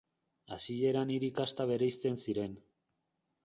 Hasieran hiri kasta bereizten ziren.